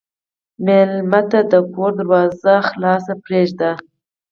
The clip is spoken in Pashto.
مېلمه ته د کور دروازه پرانستې پرېږده.